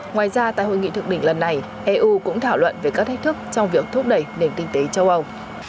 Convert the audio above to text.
ngoài ra tại hội nghị thượng đỉnh lần này eu cũng thảo luận về các thách thức trong việc thúc đẩy nền kinh tế châu âu